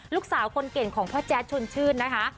ลูกสาวคนเก่งของพ่อแจ๊ดชวนชื่นนะคะ